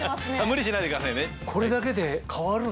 無理しないでくださいね。